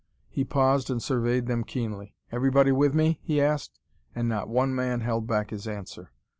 He paused and surveyed them keenly. "Everybody with me?" he asked. And not one man held back his answer.